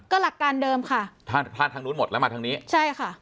ก็หลักการเดิมค่ะถ้าพลาดทางนู้นหมดแล้วมาทางนี้ใช่ค่ะ